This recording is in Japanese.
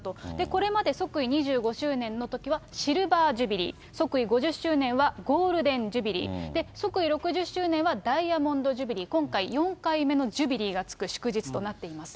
これまで即位２５周年のときはシルバー・ジュビリー、即位５０周年はゴールデン・ジュビリー、即位６０周年はダイヤモンド・ジュビリー、今回４回目のジュビリーが付く祝日となっています。